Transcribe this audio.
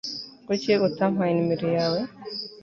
Kuki utampaye numero yawe